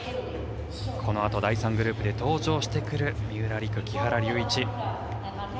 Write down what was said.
このあと、第３グループで登場してくる三浦璃来、木原龍一。